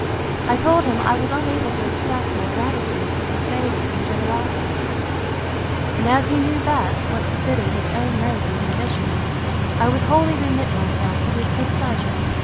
I told him, I was unable to express my gratitude for his favours and generosity: And as he knew best what befitted his own rank and condition, I would wholly remit myself to his good pleasure.